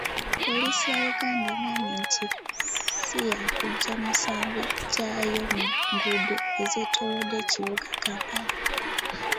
Poliisi ya Uganda egambye nti siyakujja misanvu gyayo mu nguudo ezeetoolodde ekibuga Kampala.